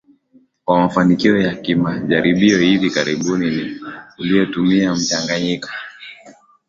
mafanikio ya kimajaribio hivi karibuni ni uliotumia mchanganyiko